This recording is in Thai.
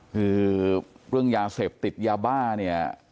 คือเรื่องยาเสพติดยาบ้าเนี่ย